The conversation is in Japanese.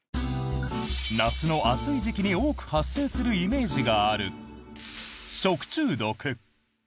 夏の暑い時期に多く発生するイメージがある食中毒。